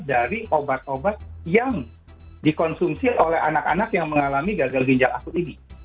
dari obat obat yang dikonsumsi oleh anak anak yang mengalami gagal ginjal akut ini